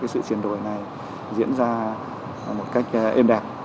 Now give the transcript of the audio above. sự chuyển đổi này diễn ra một cách êm đẹp